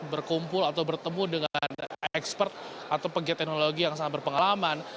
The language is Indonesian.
berkumpul atau bertemu dengan expert atau pegiat teknologi yang sangat berpengalaman